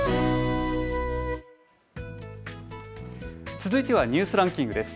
続いてはニュースランキングです。